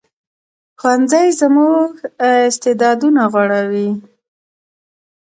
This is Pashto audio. ښوونځی زموږ استعدادونه غوړوي